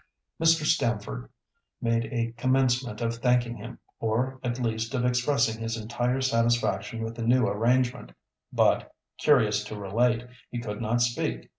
Mr. Stamford made a commencement of thanking him, or at least of expressing his entire satisfaction with the new arrangement; but, curious to relate, he could not speak.